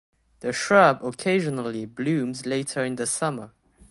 The shrub occasionally blooms later in the summer.